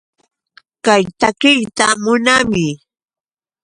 Kay takiyta munaami.